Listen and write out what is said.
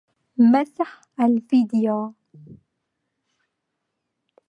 مُسح الفيديو.